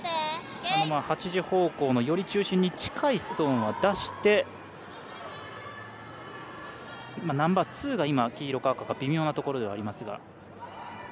８時方向のより中心に近いストーンは出してナンバーツーが黄色か赤か微妙なところではありますが。